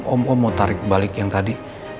om om tarik balik yang tadi